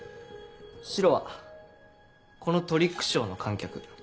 白はこのトリックショーの観客。